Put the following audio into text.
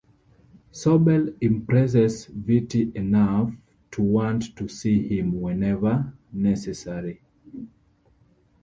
Sobel impresses Vitti enough to want to see him whenever necessary.